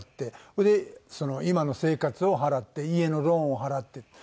それでその今の生活を払って家のローンを払って。